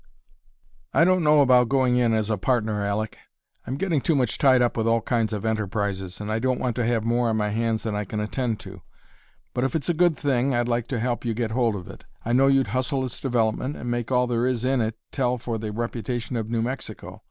"I don't know about going in as a partner, Aleck. I'm getting too much tied up in all kinds of enterprises, and I don't want to have more on my hands than I can attend to. But if it's a good thing I'd like to help you get hold of it; I know you'd hustle its development and make all there is in it tell for the reputation of New Mexico.